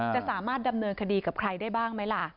จะสามารถดำเนินคดีกับใครได้บ้างไหมล่ะ